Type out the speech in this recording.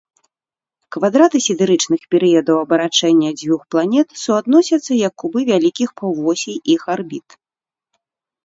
Квадраты сідэрычных перыядаў абарачэння дзвюх планет суадносяцца як кубы вялікіх паўвосей іх арбіт.